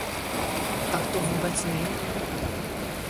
Tak to vůbec není.